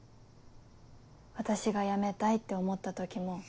私が辞めたいって思った時も。